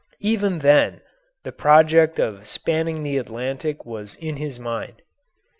Even then the project of spanning the Atlantic was in his mind.